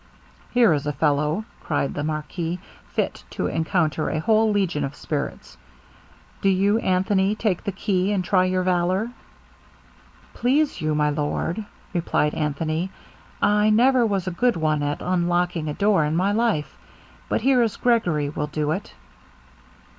'Here is a fellow,' cried the marquis, 'fit to encounter a whole legion of spirits. Do you, Anthony, take the key, and try your valour.' 'Please you, my lord,' replied Anthony, 'I never was a good one at unlocking a door in my life, but here is Gregory will do it.'